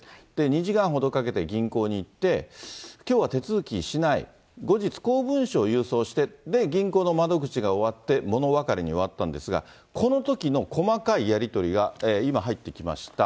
２時間ほどかけて銀行に行って、きょうは手続きしない、後日、公文書を郵送して、銀行の窓口が終わって物別れに終わったんですが、このときの細かいやり取りが今入ってきました。